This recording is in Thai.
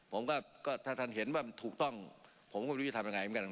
ผมก็ถ้าท่านเห็นว่ามันถูกต้องผมก็ไม่รู้จะทำยังไงเหมือนกัน